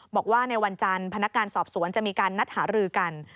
บอกว่าในวันจันทร์พนักงานสอบสวนจะมีการนัดหารือกัน